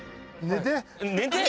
寝て！？